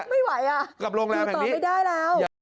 ไม่ไหวอ่ะกลับโรงแรมแห่งนี้อยู่ต่อไปได้แล้ว